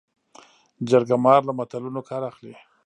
جرګه مار له متلونو کار اخلي